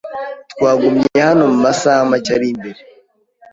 twagumye hano mumasaha make ari imbere